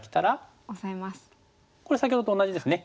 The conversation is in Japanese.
これ先ほどと同じですね。